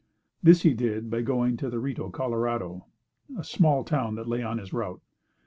This he did by going to the Rito Colorado, a small town that lay on his route.